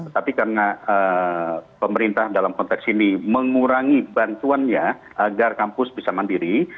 tapi karena pemerintah dalam konteks ini mengurangi bantuannya agar kampus bisa mandiri